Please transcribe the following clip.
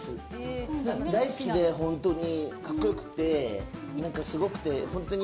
大好きで本当にかっこよくて何かすごくて、本当に。